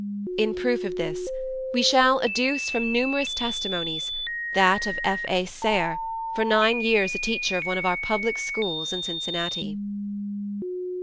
In proof of this, we shall adduce from numerous testimonies, that of F. A. Sayre, for nine years a teacher of one of the public schools in Cincinnati.